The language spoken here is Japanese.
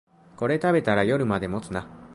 これ食べたら夜まで持つな